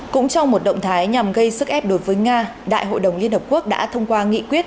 cũng trong một động thái nhằm gây sức ép đối với nga đại hội đồng liên hợp quốc đã thông qua nghị quyết